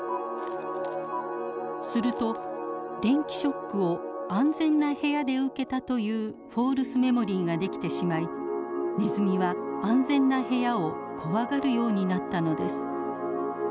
すると電気ショックを安全な部屋で受けたというフォールスメモリーが出来てしまいネズミは安全な部屋を怖がるようになったのです。